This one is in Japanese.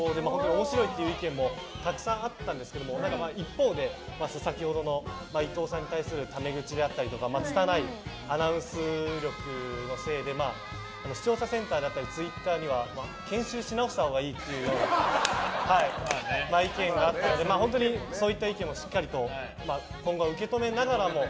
面白いという意見もあったんですが一方で、先ほどの伊藤さんに対するタメ口であったりつたないアナウンス力のせいで視聴者センターやツイッターには研修し直したほうがいいという意見があったので本当にそういった意見もしっかりと今後は受け止めながらも。